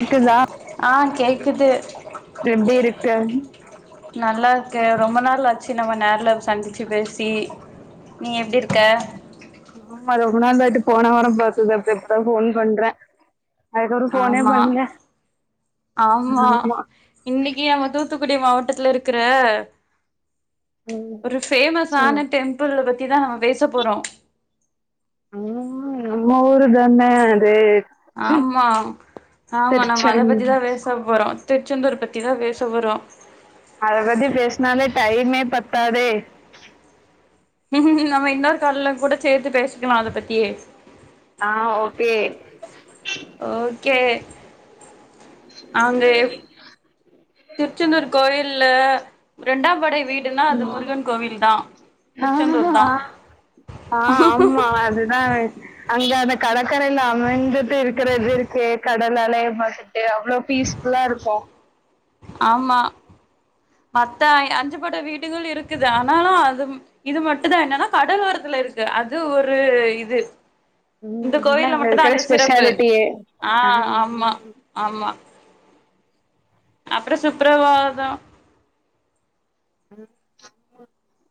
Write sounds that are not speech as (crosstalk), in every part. கேக்குதா ஆ கேக்குது எப்டி இருக்க நல்லா ரொம்ப நாள் ஆச்சு நம்ம நேரல சந்திச்சு பேசி நீ எப்டி இருக்க ஆமா ரொம்ப நாள்ட்டு போன வாரம் பாத்தது அப்ப இப்பதா போன் பண்ற அதுக்கப்புற போனே ஆமா பண்ல ஆமா இன்னைக்கு நம்ம தூத்துக்குடி மாவட்டத்து இருக்கிற ம் ஒரு சொல்லு ஃபேமஸ்சான டெம்பிள் பத்தி தி தான் நம்ம பேச போறோ இதனா அது ஆமா ஆமா நம்ம அதை பத்திதான் திருச்செந்தூர் பேச போறோம் திருச்செந்தூர் பத்திதா பேச போரோம் அதபத்தி பேசுனாலே டைமே பத்தாதே நம்ம இன்னொரு கால்ல கூட சேர்த்து பேசிக்கலா அத பத்தியே அ ஓகே ஓகே அங்க திருச்செந்தூர் கோயில்ல ரெண்டாம் படை வீடுனா அது முருகன் கோவில் தா திருச்செந்தூர் தா அ ஆமா அதுதா அங்க அந்த கடற்கரையில அமைஞ்சிட்டு இருக்கிற இது இருக்கே கடல் அலைய பாத்துட்டு அவ்ளோ பீஸ்ஃபுல்லா இருக்கு ஆமா மத்த அஞ்சுபட வீடுகளு இருக்குது ஆனாலு அது இது மட்டு தா என்னன்னா கடல் ஓரதுல இருக்கு அது ஒரு இது இந்த ம் கோயில்ல இதாங்க மட்டுதா இருக்கிற அந்த சிறப்பு ஸ்பெஷாலிட்டியே அ ஆ ஆமா ஆமா அப்புறோ சுப்பிரவாதோ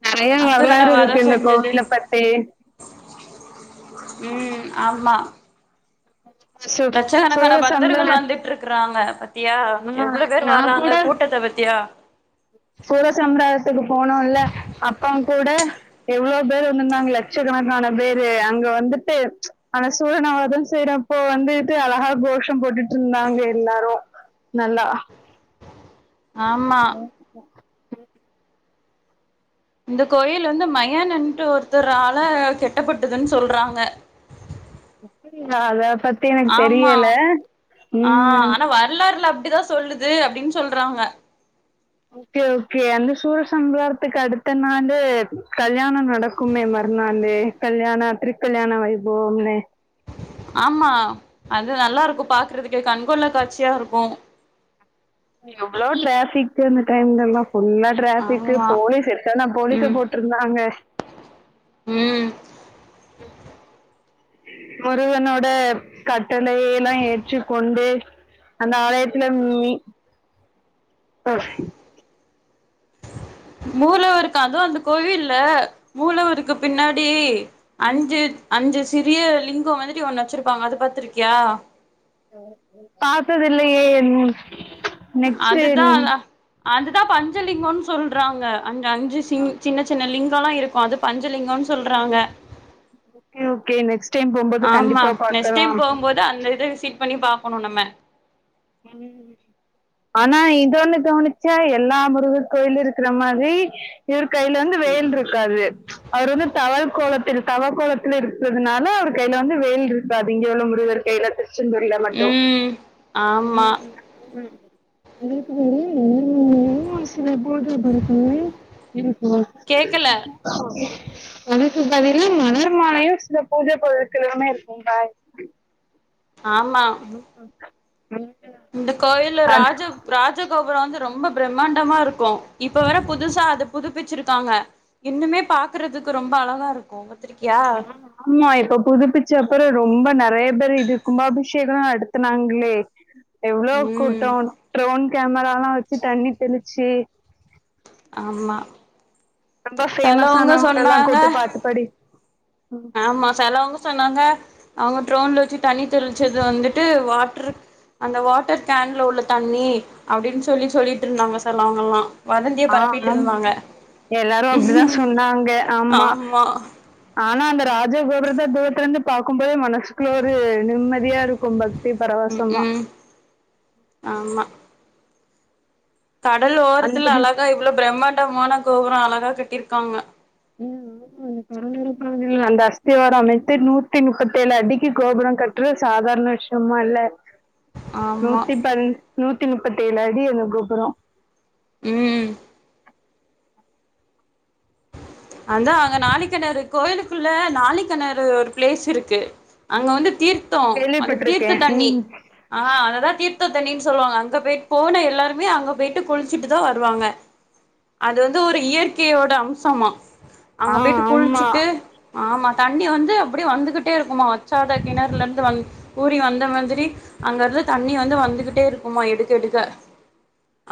நெறைய அசுரன வரலாறு வதோ இருக்கு இந்த செஞ்சது கோவில்ல பத்தி ம் ஆமா சு லட்சக்கணக்கான சூரசம்ஹார பக்தர்கள் வந்துட்டு இருக்குறாங்க பாத்தியா ஆ எவ்ளோ பேர் வாராங்க கூட்டத்த பாத்தியா சூர சம்ஹாரத்துக்கு போனோல்ல அப்ப கூட எவ்ளோ பேர் வந்துருந்தாங்லே லட்சக்கணக்கான பேரு அங்க வந்துட்டு அந்த சூரன வதோ செய்ரோப்போ வந்துட்டு அழகா கோஷோ போட்டுட்டு இருந்தாங்க எல்லாரு நல்லா ஆமா உஹ இந்த கோயில் வந்து மையானன்ட்டு ஒருத்தர் ஆல கெட்டப்பட்டதுன்னு சொல்றாங்க அத பத்தி எனக்கு தெரியல அ ம் ஆனா வரலாறுல அப்டிதா சொல்லுது அப்டின்னு சொல்றாங்க ஓகே ஓகே அந்த சூர சம்ஹாரத்துக்கு அடுத்த நாளு கல்யாணோ நடக்குமே ம் நாளு கல்யாணோ திருகல்யாண வைபோவம்னு ஆமா அது நல்லா இருக்கு பாக்றதுக்கே கண்கொள்ளா காட்சியா இருக்கு நீ எவ்ளோ ட்ராபிக்கு அந்த டைம்லெல்லா ஃபுல்லா ட்ராபிக்கு ஆமா போலீஸ் எத்தன போலீஸ ம் போட்டுருந்தாங்க ம் ஹம் முருகனோட கட்டளையெல்லா ஏற்றுக்கொண்டு அந்த ஆலயத்துல அ மூலவருக்கு அதுவு அந்த கோவில்ல மூலவருக்கு பின்னாடி அஞ்சு அஞ்சு சிறிய லிங்கோ மாதிரி ஒண்ணு வெச்சுருப்பாங்க அது பாத்திருக்கியா பாத்ததில்லியே நெக்ஸ்ட்டு அதுதா அதா அதுதா பஞ்சலிங்கோன்னு சொல்றாங்க அந்த அஞ்சு சிங் சின்ன சின்ன லிங்கோ ல்லா இருக்கு அது பஞ்சலிங்கோன்னு சொல்றாங்க ஓகே ஓகே நெக்ஸ் ஆமா நெக்ஸ்ட் டைம் போம்போது அந்த அத விசிட் பண்ணி பாக்கணு நம்ம ம் ஆனா இது ஒண்ணு கவினிச்சியா எல்லா முருகர் கோயிலு இருக்குற மாரி இரு கையில வந்து வேல் இருக்காது அவர் வந்து தவழ் கோலத்தில் தவ கோலத்துல இருக்றதுனால அவர் கையில வந்து வேல் இருக்காது அது இங்கே உள்ள முருகர் கையில திருச்செந்தூர்ல மட்டு ம் ஆமா ம் ம் அது எப்டி ம் ம் சில போது (unintelligible) இருக்கு கேக்கல என க்கு பதிலா மலர் மாலையு சில பூஜ பொருட்கலுமே இருக்கு கா ஆமா இந்த கோயில்ல அது- ராஜ ராஜகோபுரோ வந்து ரொம்ப பிரம்மாண்டமா இருக்கு இப்ப வேற புதுசா அத புதுப்பிச்சிருக்காங்க இன்னுமே பாக்கறது க்கு ரொம்ப அழகா இருக்கு பாத்திருக்கியா ஆமா இப்போ புதுப்பிச்ச அப்ரோ ரொம்ப நெறைய பேர் இது கும்பாபிஷேகோ ந டத்னாங்களே எவ்வளோ ம் கூட்டொ டிரோன் கேமராலா வெச்சு தண்ணி தெளிச்சு ஆமா ரொம்ப ஃபேமஸ் செலவங்க ஆனாவங்கல்லா கூட்டு சொன்னாங்க பாட்டுப்பாடி ஆமா செலவங்க சொன்னாங்க அவுங்க ட்ரோன்ல வெச்சு தண்ணி தெளிச்சது வந்துட்டு வாட்ரு அந்த வாட்டர் கேன்ல உள்ள தண்ணி அப்டின்னு சொல்லி சொல்லிட்டு இருந்தாங்க செலவங்லா ஆ ஆ எல்லாரு அப் டிதா சொன்னாங்க ஆமா ஆனா அந்த ராஜ கோபுரத தூரத்ல இருந்து பாக்கும்போதே மனசுக்குள்ள ஒரு நிம்மதியா இருக்கு பக் தி ம் பரவசமா ம் ஆமா கடல் ஓரத்துல அந்தது அழகா இவ்ளோ பிரம்மாண்டமான கோபுரோ அழகா கட்டிருக்காங்க. ம் ம் அந்த அஸ்திவார அமைத்து நூத்தி முப்பத்தேழு அடிக்கி கோபுரோ கட்றது சாதா ரண விஷயமால்ல ஆமா நூத்தி பந் நூத்தி முப்பத்தி ஏழு அடி அந்த கோபுரோ. ம் அதா அங்க நாழிக்கெணறு கோயிலுக்குள்ள நாழிக்கெணறு ஒரு பிளேஸ் இருக்கு. அங்க வந்து தீர்த்தோ அது தீர்த்த கேள்விப்பட்டிருக்கேன். தண்ணி. ம். ஆ அததா தீர்த்த தண்ணி சொல்லுவாங்க. அங்க போய் போன எல்லாருமே அங்க போயிட்டு குளிச்சிட்டு தா வருவாங்க. அது வந்து ஒரு இயற்கையோட அம்சமா. ஆ அங்க போயிட்டு ஆமா. குளிச்சிட்டு ஆமா தண்ணி வந்து அப்டியே வந்துகிட்டே இருக்குமா. வற்றாத கெணறுல இருந்து வந் ஊறி வந்த மாதிரி அங்க இருந்து தண்ணி வந்து வந்துகிட்டே இருக்குமா எடுக்க எடுக்க.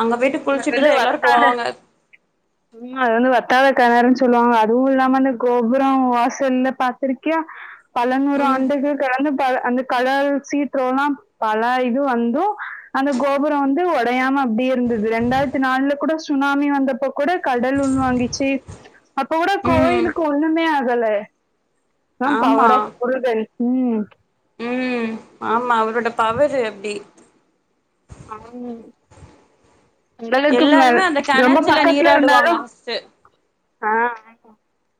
அங்க போயிட்டு ம் அது வந்து குளிச்சுட்டுதா எல்லாரு வத்தாத போவாங்க ம் அது வந்து வத்தாத கெணறு சொல்லுவாங்க. அதுவு இல்லாம அந்த கோபுரோ வாசல்ல பாத்திருக்கியா பல நூறு ம் ஆண்டு இது கலந்து ப அந்த கடல் சீற்றோல்லா பல இது வந்து அந்த கோபுரோ வந் து ஒடயாம அப்டியே இருந்தது. ரெண்டாயிரத்தி நாலுல கூட சுனாமி வந்தப்போ கூட கடல் உள்வாங்கிச்சி. அப்ப கூட ம் கோயிலுக்கு ஒண்ணுமே ஆகல. அதா ஆமா பவர் ஆஃப் முருகன். ம் ம் ஆமா அவரோட பவரு அப்டி ஆ உங்களுக்கும் நல் எல்லாருமே அந்த ரொம்ப கெணத்துல பக்கத்ல நீராடுவாங்க இருந்தாலு ஃபஸ்ட்டு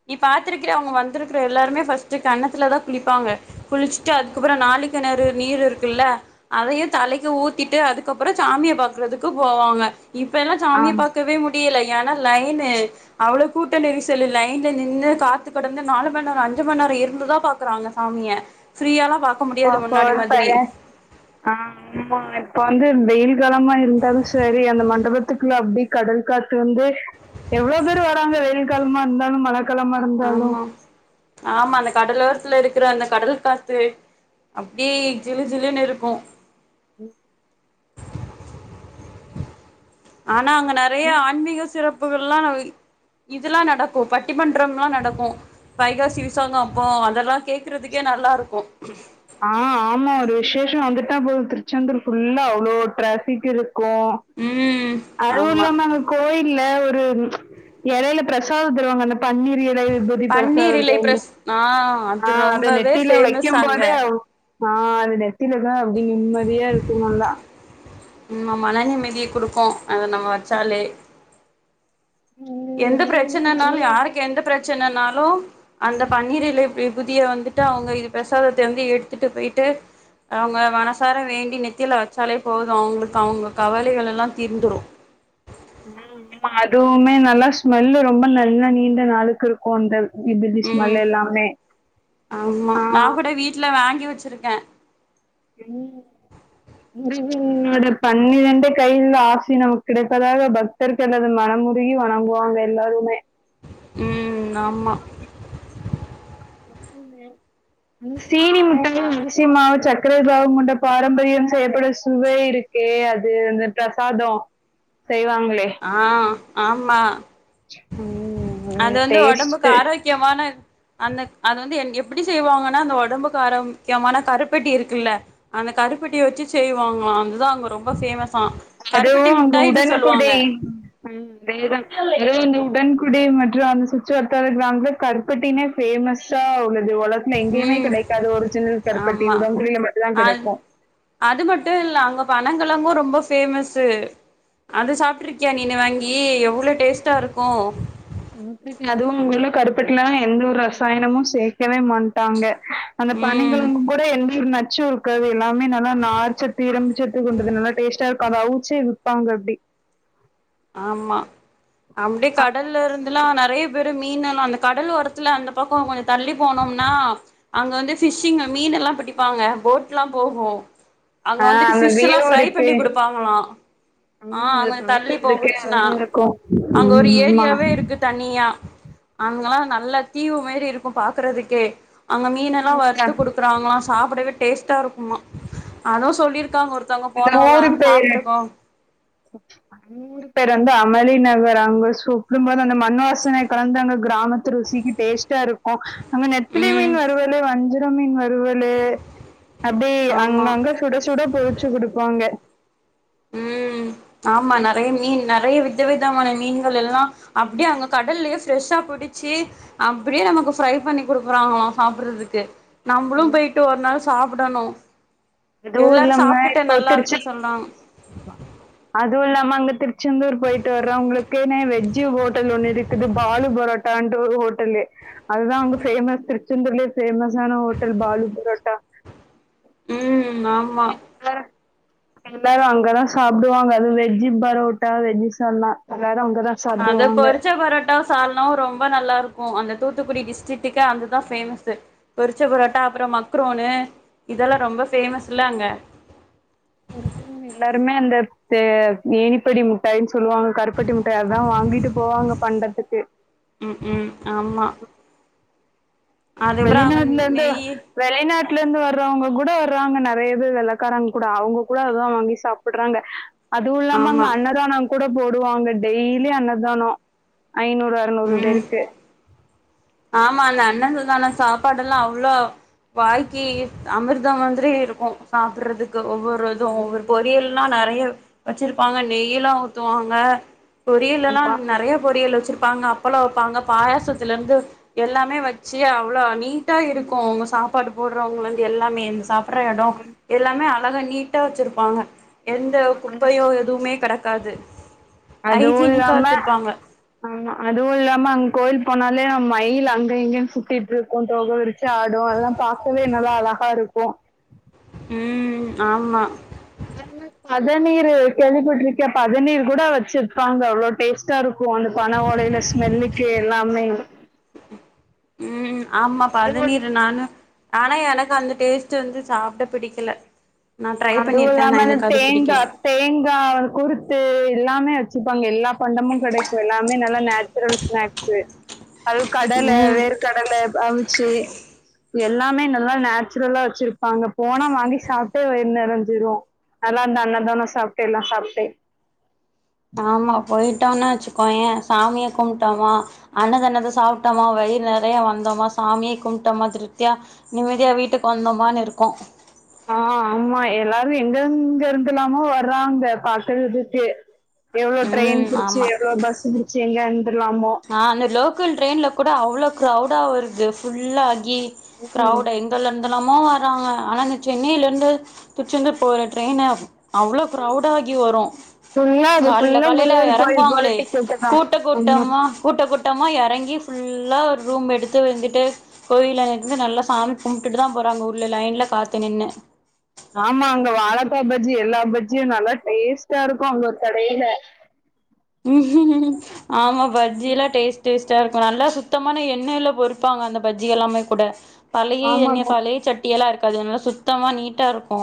நீ பாத்துருக்கிறியா அங்க வந்துருக்க எல்லாருமே ஃபஸ்ட்டு கெணத்துல தா குளிப்பாங்க. குளிச்ட்டு அதுக்கப்றோ நாழிக கெணறு நீர் இருக்குல்ல அதையு தலைக்கு ஊத்திட்டு அதுக்கப்றொ சாமிய பாக்கறதுக்கு போவாங்க. இப்பெல்லா சாமிய ஆம் பாக்கவே முடியல. ஏன்னா லைன்னு அவ்ளோ கூட்ட நெரிசல் லை நின்னு காத்துக்கெடந்து நாலு மண் நேர, அஞ்சு மண் நேர இருந்துதா பாக்குறாங்க சாமிய. ஃப்ரீயாலா பாக்க அ முடியாது முன்னாடி ஃபோர் ஃபை மாதிரி ஆ ஆமா இப்ப வந்து வெயில் காலமா இருந்தாலு சரி அந்த மண்டபத்துக்குள்ள அப்டி கடல் காத்து வந்து எவ்ளோ பேர் வராங்க வெயில் காலமா இருந்தாலு, மழ ஆமா ஆமா அந்த கடலோரத்ல இருக் க்குற அந்த கடல் காத்து அப்டி ஜிலு ஜிலுனு இருக்கு ம் ஆனா அங்க நெறையா ஆன்மீக சிறப்புகள்லா நா (unintelligible) இதுல்லா நடக்கும் பட்டிமன்றம்ல்லா நடக்கும் வைகாசி விசாகோம் அப்போ அதல்லா கேக்குறதுக்கே நல்லா இருக்கும் ஆ ஆமா ஒரு விசேஷம் வந்துட்டா போது திருச்செந்தூர் ஃபுல்லா அவ்ளோ டிராஃபிக் இருக் கு ம் அதுவு ஆமா இல்லாம அங்க கோயில் ல்ல ஒரு எலையில பிரசாத தருவாங்க அந்தப் பன்னீர் இலை, விபதி, பன்னீர் பிரசாதம் இலை (unintelligible) பிரஸ் ஆ ஆ அது அத ரொம்பவே நெத்தில ஃபேமஸ் அங்க வைக்கும்போதே அவ் ஆ அது நெத்திலதா அப்டி நிம்மதியா இருக்கு நல்லா க்கோ அத நம்ம வச்சாலே எந்த பிரச்சனனாலு யாருக்கு எந்த பிரச் பிரச்சனனாலு அந்த பன்னீர் இலை, விபூதிய வந்துட்டு அவங்க இது பிரசாதத்தே வந்து எடுத்துட்டு போயிட்டு அவங்க மனசார வேண்டி நெத்தில வச்சாலே போது அவங்களுக்கு அவங்க கவலைகள் எல்லா தீர்ந்துரும் ம் ம்மா அதுவுமே நல்லா ஸ்மெல்லு ரொம்ப நல்லா நீண்ட நாளுக்கு இருக்கு அந்த இதுலி ஸ்மெல் ம் எல்லாமே. ஆமா ஆ நா கூட வீட்ல வாங்கி வெச்சிருக்கே ம் முருகனோட பண்ணிரெண்டு கையில ஆக்சி நமக்கு கிடைப்பதாக பக்தர்களது மனம் ம் உருகி வணங்குவாங்க எல்லாருமே ம் ஆமா (unintelligible) அ சீனி முட்ட அரிசி மாசு சக்கர பாவம்வுண்ட பாரம்பரியம் செய்யப்படு சுவை இருக் ஏ அது அந்த பிரசாதோ செய்வாங்களே ஆ ஆமா அது ம் வந்து ஒடம்புக்கு டேஸ்ட்டு ஆரோக்கியமான அந்த அது வந்து எங் எப்டி செய்வாங்கன்னா அந்த உடம்புக்கு ஆர முக்கியமான கருப்பெட்டி இருக்குல்ல அந்த கரு கருப்பட்டிய வச்சு செய்வாங்களா அதுதா அங்க ரொம்ப பேமஸ்ஸா கருப்பட்டி அதுவும் அந்த முட்டாய்ன்னு உடன்குடி சொல்லுவாங்க ம் தேதா உடன் குடி மற்று அந்த சுச்சு வத்தாத கிராமல கர்பட்டினே பே மஸ்ஸா உள்ளத் து உலக்த்ல எங்கயுமே ம் கெடைக்காது ஒர்ஜினல் கர்பட்டி ஆமா உடங்குடில மட்டு தா அது கெடைக்கு அது மட்டு இல்ல அங்க பனங்கழங்கு ரொம்ப பேமஸ்ஸு அது சாப் ட்ருக்கியா நீன்னு வாங்கி எவ்ளோ டேஸ்ட்டா இருக்கு அதுவு உங்க கருப்பட்லா எந்த ஒரு ரசாயனமு சேக்கவே மாட்டாங்க அந்த ம் பணங்கெழங்கு கூட எம்யூர் நாச் சு ருக்கது எல்லாமே நல்ல நார்ச்சத்து இரும்பிச்சத்து கொண்டது நல்லா டேஸ்டா இருக்கு அத அவுச்சி விப்பாங்க அப்டி ஆமா அப்டியே கடல்லருந்துலா நறைய பேர் மீன்னஅந்த கடல் ஓரத்துல அந்த பக்கம் கொஞ்சம் தள்ளி போனோம்னா அங்க வந்து பிஷிங் மீனல்ல லா பிடிப்பாங்க போட்லா போகு அங்க ஆ வந்துட்டு அந்த பிஷ்ல்லா வியவு ஃப்ரை இருக்கு பண்ணி குடுப்பாங்களா அ அங்க தள்ளி இருக்கிறதுக்கே வொச்னா அழகா இருக்கும் அங்க ஒரு ம், ஆமா. ஏரியாவே இருக்கு தனிய அங்லா நல்ல தீவு மேரி இருக்கு பாக்குறதுக்கு அங்க மீனெல்லா வறுத்து குடுக்குறாங்களா சாப்புடவே டேஸ்ட்டா இருக்குமா அதுவு சொல்லிருக்காங்க ஒரு தவுங்க அந்த போனவுங்க ஊரு பேரு சாப்ட்ருக்கோ ஊர் பேர் வந்து அமளி நகர் அங்க சுக்கும அந்த மண் வாாசனை கலந்து அங்க கிராமத்து ருசிக்கு டேஸ்டா இருக்கும் அங்க நெத்திலி ம் மீன் வருவலு வந்து த மீன் வருவலு அப்டி ஆமா அங்கங்க சுட சுட போட் வாங்க ம் ஆமா நறைய மீன் நறைய வித் வித விதமான மீன்கள் எல்லா அப்டியே அங்க கடல்லயே ஃப்ரெஷ்ஷா புடிச்சி அப்புடியே நமக்கு ஃப்ரை ய் பண்ணி குடுக்குறாங்களாம் சாப்புட்றதுக்கு நம்புளும் போயிட்டு ஒரு நாள் சாப்புடணும் எதுவு இல்லாம இப்ப திருச்சி (inaudible) இருக்குன்னு சொல்றாங்க அ அதுவு இல்லாம அங்க திருச்செந்தூர் போயிட்டு வர்றவங்களுக்குனே வெஜ்ஜு ஹோட்டல் ஒண்ணு இருக்குது பாலு பரோ ட்டான்ட்டு ஒரு ஹோட்டல்லு அதுதா அங்க ஃபேமஸ் திருச்செந்தூர்லியே ஃபேமஸான ஹோட்டல் பாலு பரோட்டா ம் ஆம்மா எல்லாரு அங்கதா சாப்டுவாங்க அது வெஜ்ஜி பரோட்டா வெஜ்ஜி சால்னா எல்லாரு அது பொரிச்ச பரோட்டாவு சால்னாவு ரொம்ப நல்லாரு க்கு அந்த தூத்துக்குடி டிஸ்டிடிக்கு அதுதா ஃபேமஸு பொரிச்ச பரோட்டா அப்புறோ மக்ரோனு இதெல்லா ரொம்ப ஃபேமஸ் இல்ல அங்க (unintelligible) எல்லாருமே அந்த பே ஏனிப்படி முட்டாயின் சொல்லுவாங்க கருப்பட்டி முட்டாய் அத்தா வா ங்கிட்டு போவாங்க பண்டதுக்கு ம் ம் ஆம்மா வெளிநாட்லந்து நெய்யி வெளிநாட்லந்து வர் க்கறவங்க கூட வராங்க நறைய பேரு வெள்ளக்காரங் கூட அவுங்க கூட அதுதா வாங்கி சாப்பட்றாங்க அதுவு இல்லாம அங்க ஆமா அன்னதானங் கூட போடுவாங்க டெய்லி அன்னதானோ ஐநூறு அறுநூறு ம் பேருக்கு ஆமா அந்த அண்ணன்து தான சாப்பாடெல்லா அவ்ளோ வாழ்க்கியி அமிர்தம் மந்திரி இருக்கு சாப்பிட்றதுக்கு ஒவ்வொ ரு இது ஒவ்வொரு பொரியல்லா நறைய வெச்சிருப்பாங்க நெய்யிலா ஊத்துவாங்க பொரியல் எல்லா ஆமா நறைய பொரியல் வெச்சிருப்பாங்க அப்பளோ வெப்பாங்க பாயாசத்துலந்து எல்லாமே வெச்சி அவ்ளோ நீட்டா இருக்கு அவுங்க சாப்பாடு போட்றவங்கலந்து எல்லாமே இந்த சா ப்ற எடோ எல்லாமே அழகா நீட்டா வெச்சிருப்பாங்க எந்த குப்பையோ எதுவுமே கெடக்காது அதுவு ஹைஜீனிக்கா இல்லாம வச்சிருப்பாங்க ஆமா அதுவு இல்லாம அங் கோயில் போனாலே மயில் அங்க இங்கன் சுத்திட்ருக்கு தோக விரிச்சு ஆடு அதெல்லாம் பாக்கவே நல்லா அழகா இருக்கு ம் ஆம்மா பதநீரு கேள்விப்பட்ருக்கியா பதநீர் கூட வெச்சிருப்பாங்க அவ்ளோ டேஸ் டாருக்கு அந்த பன ஓலையில ஸ்மெல்லுக்கு எல்லாமே ம் ஆம்மா பதநீரு நானு ஆனா எனக்கு அந்த டேஸ்ட்டு வந்து சாப்ட பிடிக்கல நா ட்ரை அதுவு பண்ணிருக்கே ஆனா இல்லாம அந்த எனக்கு அது தேங்கா பிடிக்கல தேங்கா குருத்து எல்லாமே வெ ச்சிப்பாங்க எல்லா பண்டமு கெடைக்கு எல்லாமே நல்லா நேச்சுரல் ஸ்நாக்ஸு அது கடல ம் வேர் கடல ப அவி ச்சே எல்லாமே நல்லா நேச்சுரலா வெச்சிருப்பாங்க போனா வாங்கி சாப்ட்டு வ நெறஞ்சிரு அதா அந்த அன்னதானோ சாப்ட்டே எல்லா சாப்ட்டே ஆமா போயி ட்டோன்னா வெச்சுக்கோயே சாமிய கும்ட்டோமா அன்னதானத சாப்ட்டமா வயிறு நெறைய வந்தமா சா சாமிய கும்ட்டமா திருத்தியா நிம்மிதியா வீட்டுக் வந்தமான் இருக்கு ஆ ஆமா எல்லாரு எங்கருந்துருந்துல்லாமோ வர்றாங்க பாக்கறதுக்கு எவ்ளோ ட்ரெயின் ம் புடிச்சி ஆமா எவ்ளோ பஸ்ஸு புடிச்சி எங்கன் ஆ அந்த லோக்கல் ட்ரெயின்ல கூட அவ்ளோ க்ரௌடா வருது ஃபுல்லாகி க்ரௌவுடு எங்கல்லெந்தலாமோ றாங்க ஆனா இந்த சென்னையிலிர்ந்து திருச்செந்தூர் போற ட்ரெயினு அவ் அவ்ளோ க்ரௌடாகி வரு ஃபுல்லா அது கால்ல ஃபுல்லா காலைல முருகர் கோயில் போற எறங்குவாங்களே டிக்கெட்டு தா கூட்ட ஆமா கூட்டம்மா கூட்டமா எறங்கி ஃபுல்லா ஒர் ரூம் எடுத்து வந்துட்டு கோயில்லர்ந்து நல்லா சாமி கும்டுட்டு தா போறாங்க உள்ள லைன்ல காத்து நின்னு ஆமா அங்க வாழக்கா பஜ்ஜி எல்லா பஜ்ஜியு நல்லா டேஸ்ட்டா இருக்கு அங்க ஒர் கடையில ஆமா பஜ்ஜி எல்லா டேஸ் டேஸ் சேர்த்து நல்லா சுத்தமான எண்ணெய்ல பொறிப்பாங்க அந்த பஜ்ஜியெல்லாமே கூட பழைய எண்ணெ ஆமாங்க பழைய சட்டியெல்லா இருக்காது நல்லா சுத்தமா நீட்டா இருக்கு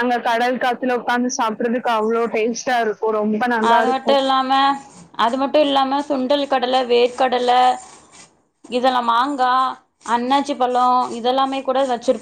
அந்த கடல் காத்துல உக்காந்து சாப்றதுக்கு அவ்ளோ டேஸ்ட்டா இருக்கு ரொம்ப நல்லா அது இருக்கு மட்டு இல்லாம அது மட்டு இல்லாம சுண்டல் கடல வேர்க்கடல இதுல மாங்கா அண்ணாச்சி பழோ இதெல்லாமே கூட வச்சிருப்பா